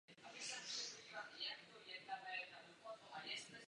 Vítězové obsadili Charleroi a následně ovládli celé Rakouské Nizozemí.